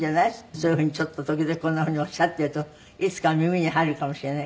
そういうふうにちょっと時々こんなふうにおっしゃっているといつかは耳に入るかもしれない。